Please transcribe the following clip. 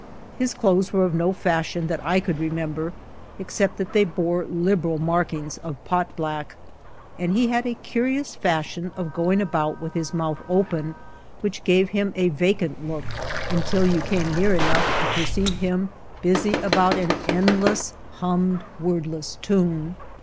His clothes were of no fashion that I could remember, except that they bore liberal markings of pot black, and he had a curious fashion of going about with his mouth open, which gave him a vacant look until you came near enough to perceive him busy about an endless hummed, word less tune.